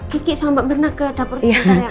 kiki sama mbak mirna ke dapur sebentar ya